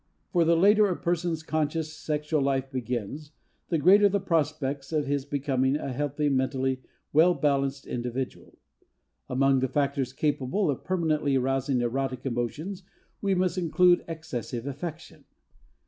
For the later a person's conscious sexual life begins the greater the prospects of his becoming a healthy, mentally well balanced individual. Among the factors capable of permanently arousing erotic emotions we must include excessive affection.